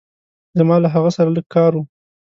زما له هغه سره لږ کار وه.